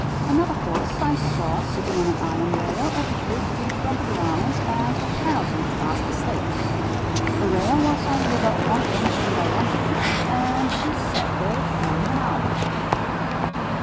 Another puss I saw sitting on an iron rail, a few feet from the ground, and apparently fast asleep. The rail was only about one inch in diameter, and she sat there fully an hour.